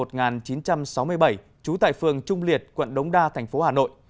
trú tại phường trung liệt quận đống đa tp hà nội